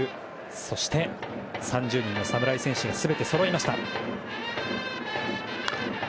そして、３０人の侍戦士が全てそろいました。